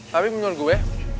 tapi menurut gue